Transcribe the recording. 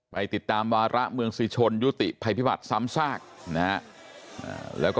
ไปติดตามวาระเมืองศรีชนยุติภัยพิบัติซ้ำซากนะฮะแล้วก็